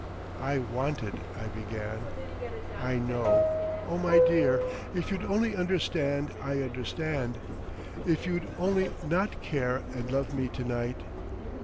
"I wanted," I began. "I know. Oh! my dear, if you'd only understand I understand. If you'd only not care—and love me to night."